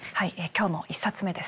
今日の１冊目ですね。